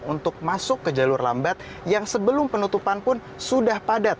untuk masuk ke jalur lambat yang sebelum penutupan pun sudah padat